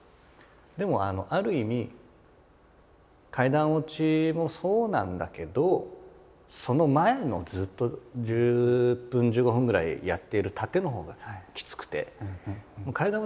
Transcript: でもある意味階段落ちもそうなんだけどその前のずっと１０分１５分ぐらいやっている疲れた。